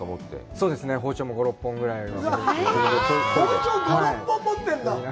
そうですね、包丁も５６本ぐらいは。